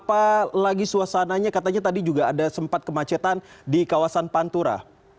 apalagi suasananya katanya tadi juga ada sempat kemacetan di kawasan pantura